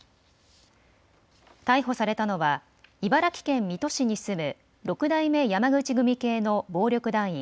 逮捕されたのは茨城県水戸市に住む六代目山口組系の暴力団員